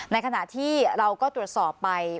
ในขณะที่เราก็ตรวจสอบไป